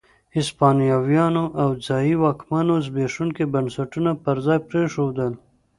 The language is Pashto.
هسپانويانو او ځايي واکمنانو زبېښونکي بنسټونه پر ځای پرېښودل.